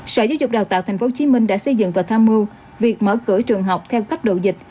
sở giáo dục đào tạo thành phố hồ chí minh đã xây dựng và tham mưu việc mở cửa trường học theo cấp độ dịch